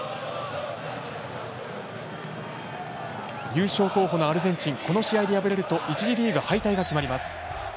優勝候補のアルゼンチンこの試合で敗れると１次リーグ敗退が決まります。